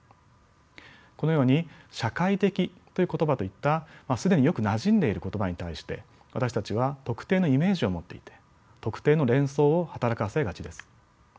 このように社会的という言葉といった既によくなじんでいる言葉に対して私たちは特定のイメージを持っていて特定の連想を働かせがちです。